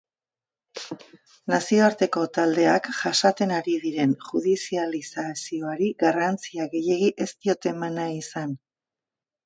Nazioarteko taldeak jasaten ari diren judizializazioari garrantzia gehiegi ez diote eman nahi izan.